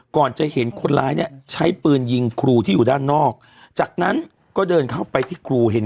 ก่อนจะเห็นคนร้ายเนี่ยใช้ปืนยิงครูที่อยู่ด้านนอกจากนั้นก็เดินเข้าไปที่ครูเห็น